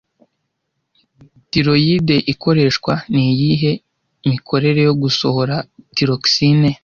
tiroyide ikoreshwa niyihe mikorere yo gusohora tiroxine